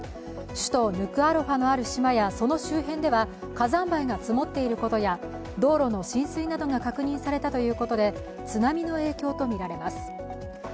首都ヌクアロファのある島やその周辺では火山灰が積もっていることや道路の浸水などが確認されたということで津波の影響とみられます。